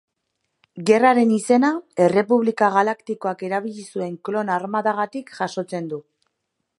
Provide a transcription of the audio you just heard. Gerraren izena Errepublika galaktikoak erabili zuen klon armadagatik jasotzen du.